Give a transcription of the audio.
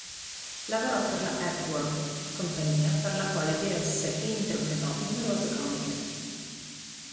Lavorò per la Hepworth, compagnia per la quale diresse e interpretò numerose comiche.